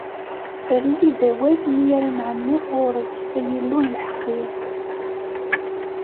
Err-iyi-d awal mi ara n-ɛenniɣ ɣur-k, ay Illu n lḥeqq-iw.